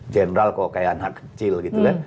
general kok kayak anak kecil gitu kan